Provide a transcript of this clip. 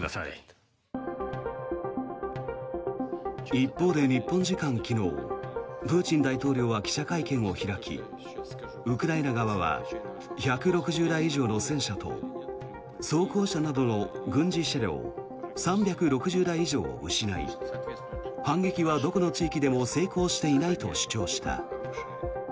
一方で日本時間昨日プーチン大統領は記者会見を開きウクライナ側は１６０台以上の戦車と装甲車などの軍事車両３６０台以上を失い反撃はどこの地域でも成功していないと主張した。